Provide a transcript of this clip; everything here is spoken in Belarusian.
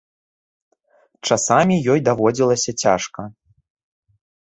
Часамі ёй даводзілася цяжка.